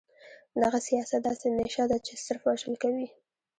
دغه سياست داسې نيشه ده چې صرف وژل کوي.